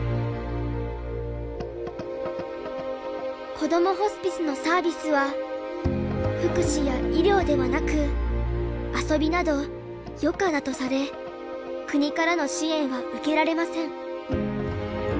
こどもホスピスのサービスは福祉や医療ではなく遊びなど余暇だとされ国からの支援は受けられません。